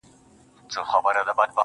زما د چت درېيم دېوال ته شا ورکوي~